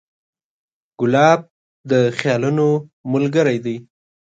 ګلاب د خیالونو ملګری دی.